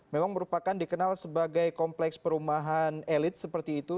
memang merupakan dikenal sebagai kompleks perumahan elit seperti itu